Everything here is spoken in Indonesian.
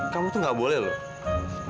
kamu tuh gak boleh loh